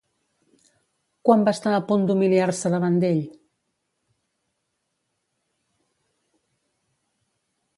Quan va estar a punt d'humiliar-se davant d'ell?